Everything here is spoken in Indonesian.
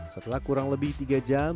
setelah kurang lebih tiga jam